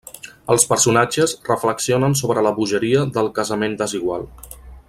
Els personatges reflexionen sobre la bogeria del casament desigual.